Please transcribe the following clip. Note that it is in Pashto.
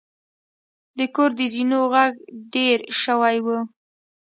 د کور د زینو غږ ډیر شوی و.